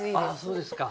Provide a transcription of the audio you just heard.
そうですか。